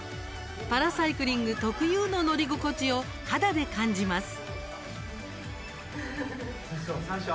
パラサイクリング特有の乗り心地を肌で感じます。